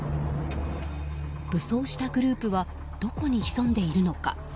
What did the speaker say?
武装したグループはどこに潜んでいるのか。